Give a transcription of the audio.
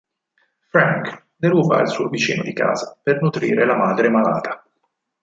Frank deruba il suo vicino di casa per nutrire la madre malata.